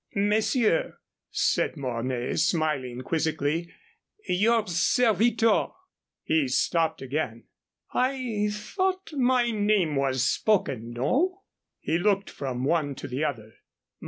"Messieurs," said Mornay, smiling quizzically, "your servitor." He stopped again. "I thought my name was spoken. No?" He looked from one to the other.